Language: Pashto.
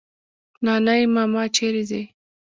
نانی ماما چيري ځې؟